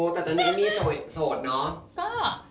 แต่ตอนนี้มีโสดเนอะ